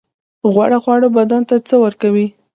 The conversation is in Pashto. غوړ خواړه بدن ته څه ورکوي؟